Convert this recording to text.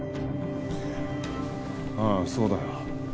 ああそうだよ